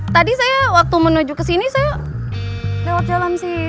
tadi saya waktu menuju ke sini saya lewat jalan sih